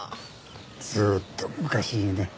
ずっと昔にね。